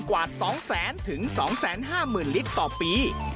กว่า๒๐๐๒๕๐ลิตรต่อปี